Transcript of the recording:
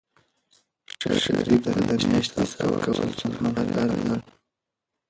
شریف ته د میاشتې حساب کول ستونزمن ښکارېدل.